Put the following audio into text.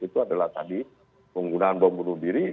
itu adalah tadi penggunaan bom bunuh diri